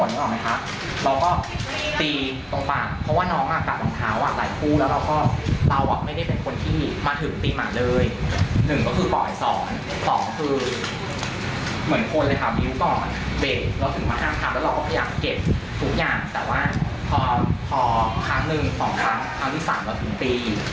แต่ว่าพอครั้งหนึ่งสองครั้งครั้งที่สามเราถึงตี